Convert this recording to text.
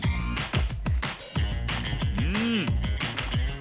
うん。